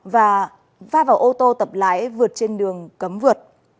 và va vào ô tô tập lái vượt trên đường cấm vượt